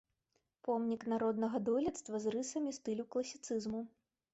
Помнік народнага дойлідства з рысамі стылю класіцызму.